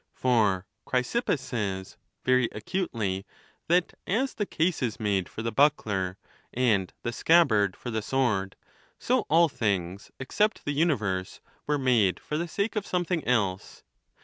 XIV. For Chrysippus says, very acutely, that as the case is made for the buckler, and the scabbard for the sword, so all things, except the universe, were made for the sake of something else.